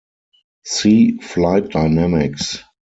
See flight dynamics.